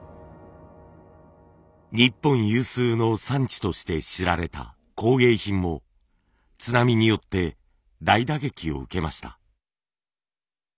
日本有数の産地として知られた工芸品も津波によって大打撃を受けました。